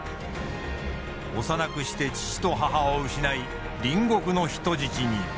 幼くして父と母を失い隣国の人質に。